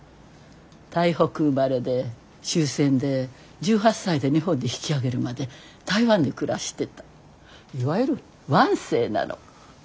台北生まれで終戦で１８歳で日本に引き揚げるまで台湾で暮らしてたいわゆる湾生なの。